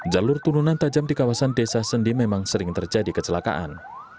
jalur turunan tajam di kawasan desa sendi memang sering terjadi kecelakaan